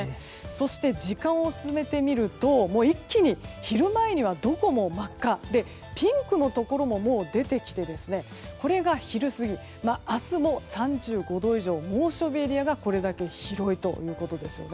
そして時間を進めてみると一気に昼前にはどこも真っ赤でピンクのところももう出てきてこれが昼過ぎで明日も３５度以上猛暑日エリアがこれだけ広いということです。